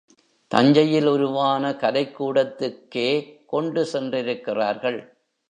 தஞ்சையில் உருவான கலைக்கூடத்துக்கே கொண்டு சென்றிருக்கிறார்கள்.